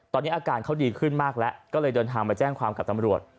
ตอนนี้อาการเขาดีขึ้นมากแล้วก็เลยเดินทางมาแจ้งความกับตำรวจ